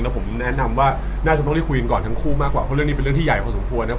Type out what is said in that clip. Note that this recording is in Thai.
ผมแนะนำว่าน่าจะต้องได้คุยกันก่อนทั้งคู่มากกว่าเพราะเรื่องนี้เป็นเรื่องที่ใหญ่พอสมควรนะครับ